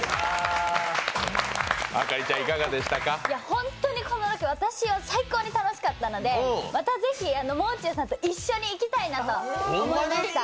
本当にこのロケ、本当に楽しかったのでまたぜひ、もう中さんと一緒に行きたいなと思いました。